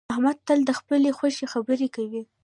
احمد تل د خپلې خوښې خبرې کوي